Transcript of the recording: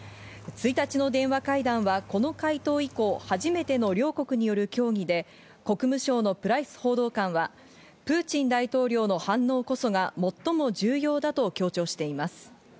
１日の電話会談はこの回答以降、初めての両国による協議で、国務省のプライス報道官は、プーチン大統領の反応こそが最も重要だと強調しています。